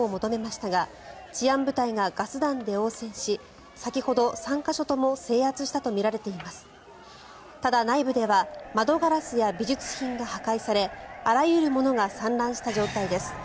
ただ、内部では窓ガラスや美術品が破壊されあらゆるものが散乱した状態です。